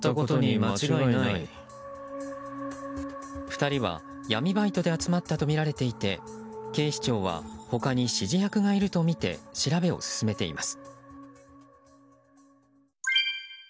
２人は闇バイトで集まったとみられていて警視庁は他に指示役がいるとみて調べを進めています。